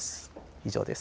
以上です。